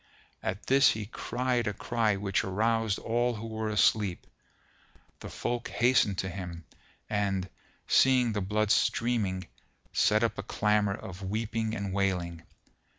At this he cried a cry which aroused all who were asleep; the folk hastened to him and, seeing the blood streaming, set up a clamour of weeping and wailing.